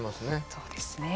そうですね。